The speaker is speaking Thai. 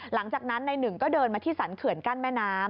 หลังจากนั้นในหนึ่งก็เดินมาที่สรรเขื่อนกั้นแม่น้ำ